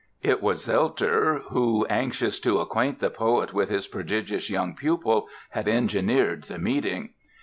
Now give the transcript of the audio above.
It was Zelter who, anxious to acquaint the poet with his prodigious young pupil, had engineered the meeting.